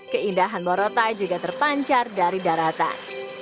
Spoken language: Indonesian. keindahan morotai juga terpancar dari daratan